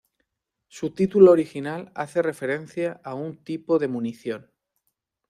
Su título original hace referencia a un tipo de munición.